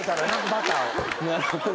バターを。